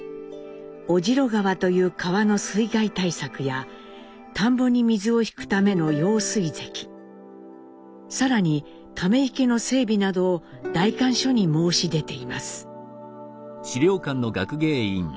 尾白川という川の水害対策や田んぼに水を引くための用水堰更に溜池の整備などを代官所に申し出ています。